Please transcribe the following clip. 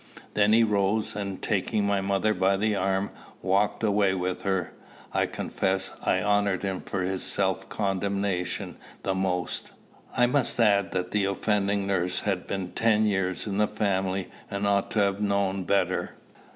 Then he rose, and, taking my mother by the arm, walked away with her. I confess I honored him for his self condemnation the most. I must add that the offending nurse had been ten years in the family, and ought to have known better.